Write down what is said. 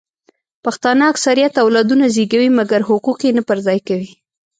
پښتانه اکثریت اولادونه زیږوي مګر حقوق یې نه پر ځای کوي